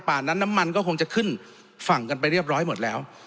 นั้นน้ำมันก็คงจะขึ้นฝั่งกันไปเรียบร้อยหมดแล้ว